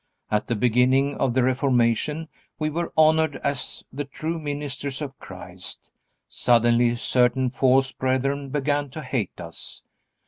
At the beginning of the Reformation we were honored as the true ministers of Christ. Suddenly certain false brethren began to hate us.